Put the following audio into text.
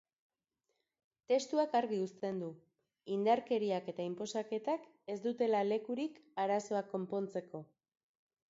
Testuak argi uzten du, indarkeriak eta inposaketak ez dutela lekurik arazoak konpontzeko.